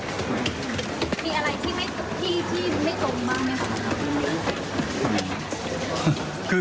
มีอะไรที่ไม่ตรงบ้างไหมคะ